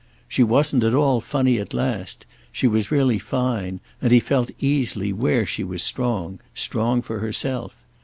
She wasn't at all funny at last—she was really fine; and he felt easily where she was strong—strong for herself.